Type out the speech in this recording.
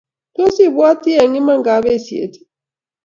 Tos ibwoti eng' iman kapesyet ii?